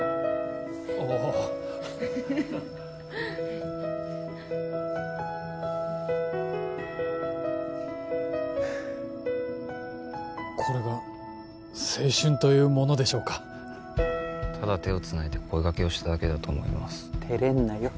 おおこれが青春というものでしょうかただ手をつないで声がけをしただけだと思いますテレんなよ